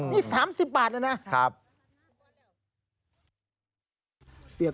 นี่๓๐บาทเลยนะครับครับ